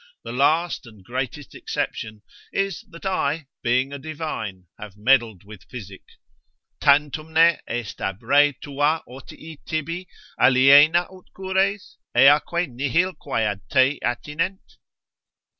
The last and greatest exception is, that I, being a divine, have meddled with physic, Tantumne est ab re tua otii tibi, Aliena ut cures, eaque nihil quae ad te attinent.